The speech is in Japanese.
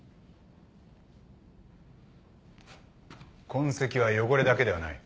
痕跡は汚れだけではない。